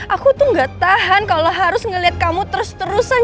aku tuh gak tahan kalau harus ngelihat kamu terus terusan